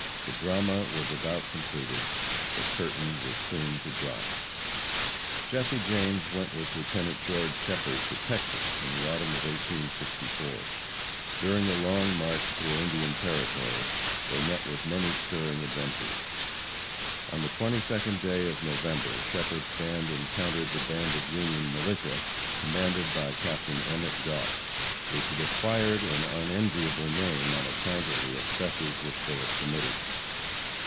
The drama was about completed; the curtain was soon to drop. Jesse James went with Lieutenant George Shepherd to Texas in the autumn of 1864. During the long march through the Indian Territory, they met with many stirring adventures. On the 22d day of November, Shepherd's band encountered the band of Union militia, commanded by Captain Emmett Goss, which had acquired an unenviable name on account of the excesses which they had committed.